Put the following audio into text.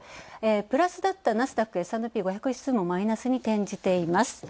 プラスだったナスダック、Ｓ＆Ｐ５００指数もマイナスに転じています。